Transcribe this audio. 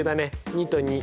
２と２。